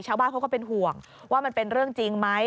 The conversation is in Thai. ชาวบ้านเขาก็เป็นห่วงว่ามันเป็นเรื่องจริงไหม